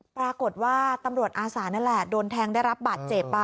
ปรากฏว่าตำรวจอาสานั่นแหละโดนแทงได้รับบาดเจ็บ